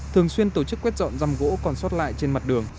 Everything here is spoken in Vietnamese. thường xuyên tổ chức quét dọn giam gỗ còn xót lại trên mặt đường